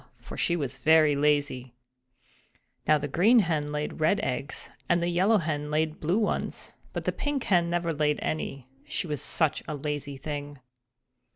for she was very lazy. Now the Green Hen laid red eggs and the Yellow Hen laid blue ones; but the Pink Hen never laid any, she was such a lazy thing.